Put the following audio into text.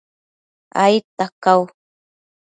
aidta cau